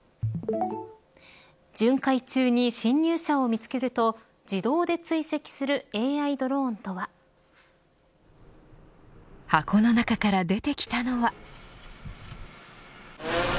巡回中に侵入者を見つけると自動で追跡するＡＩドローンとは。箱の中から出てきたのは。